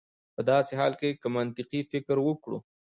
په داسې حال کې چې که منطقي فکر وکړو